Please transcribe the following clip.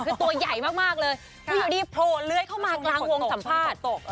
คือตัวใหญ่มากเลยคืออยู่ดีโผล่เลื้อยเข้ามากลางวงสัมภาษณ์